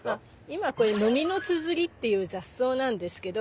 今これノミノツヅリっていう雑草なんですけど。